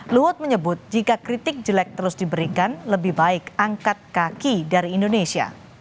luhut menyebut jika kritik jelek terus diberikan lebih baik angkat kaki dari indonesia